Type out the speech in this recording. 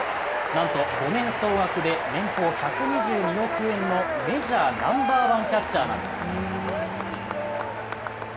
なんと５年総額で年俸１２２億円のメジャーナンバーワンキャッチャーなんです。